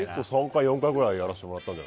３回、４回ぐらいやらせてもらいましたね。